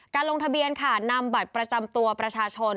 ลงทะเบียนค่ะนำบัตรประจำตัวประชาชน